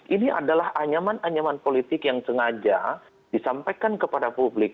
ini adalah anyaman anyaman politik yang sengaja disampaikan kepada publik